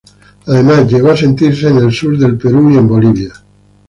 Además, llegó a sentirse en el sur del Perú y en Bolivia.